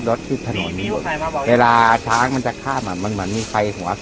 เครื่องข้างล่างนั้นแข่งคาดก็สร้างออกมา